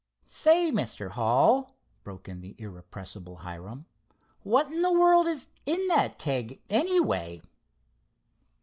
"Say, Mr. Hull," broke in the irrepressible Hiram; "what in the world is in that keg, anyway?"